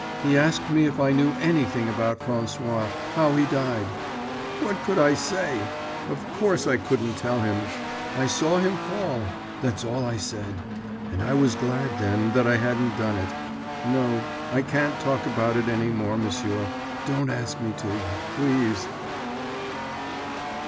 He asked me if I knew anything about François—how he died. What could I say? Of course I couldn't tell him. I saw him fall—that's all I said. And I was glad, then, that I hadn't done it.... No, I can't talk about it any more, m'sieur. Don't ask me to, please!"